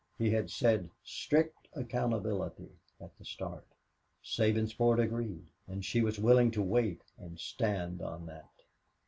He had said "strict accountability" at the start, Sabinsport agreed, and she was willing to wait and stand on that.